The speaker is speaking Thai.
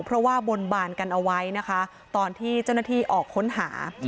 เพราะว่าบนบานกันเอาไว้นะคะตอนที่เจ้าหน้าที่ออกค้นหา